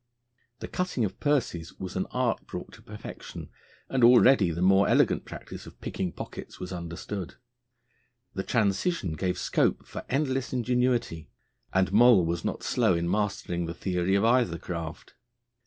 The cutting of purses was an art brought to perfection, and already the more elegant practice of picking pockets was understood. The transition gave scope for endless ingenuity, and Moll was not slow in mastering the theory of either craft.